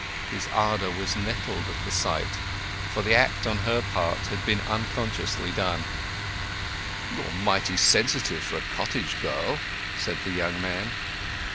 His ardour was nettled at the sight, for the act on her part had been unconsciously done. "You are mighty sensitive for a cottage girl!" said the young man.